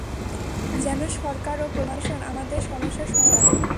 যেন সরকার ও প্রশাসন আমাদের সমস্যার সমাধান দিতে পারে।